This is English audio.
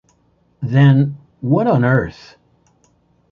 Then - what on earth?